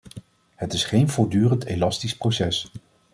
Het is geen voortdurend elastisch proces.